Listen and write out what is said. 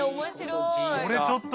これちょっと。